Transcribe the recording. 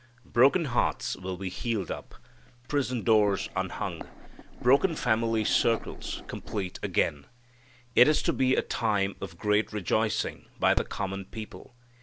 Broken hearts will be healed up, prison doors unhung, broken family circles complete again. It is to be a time of great rejoicing by the common people.